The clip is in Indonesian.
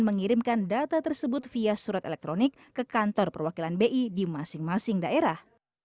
dan mengirimkan data tersebut via surat elektronik ke kantor perwakilan bi di masing masing daerah